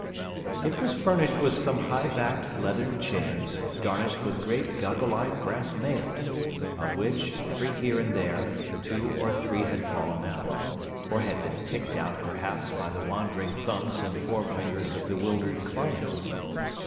It was furnished with some high backed leathern chairs, garnished with great goggle eyed brass nails, of which, every here and there, two or three had fallen out—or had been picked out, perhaps, by the wandering thumbs and forefingers of bewildered clients.